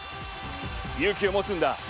勇気を持つんだ！